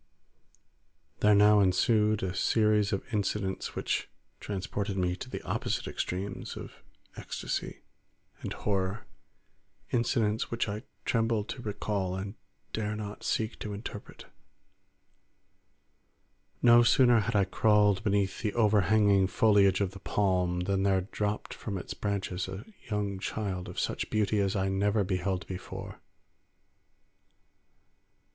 There now ensued a series of incidents which transported me to the opposite extremes of ecstasy and horror; incidents which I tremble to recall and dare not seek to interpret. No sooner had I crawled beneath the overhanging foliage of the palm, than there dropped from its branches a young child of such beauty as I never beheld before.